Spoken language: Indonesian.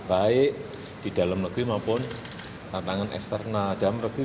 baik di dalam negeri maupun tantangan eksternal dalam negeri